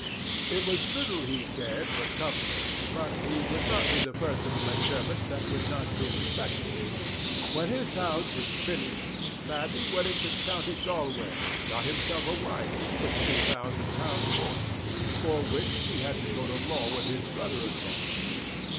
It was little he cared for comfort, but he would not be the first of the Macdermots that would not be respectable. When his house was finished, Thady went into County Galway, and got himself a wife with two thousand pounds fortune, for which he had to go to law with his brother in law.